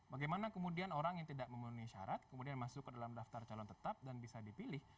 bagaimana kemudian orang yang tidak memenuhi syarat kemudian masuk ke dalam daftar calon tetap dan bisa dipilih